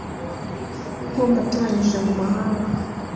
nko mbatoranije mu mahanga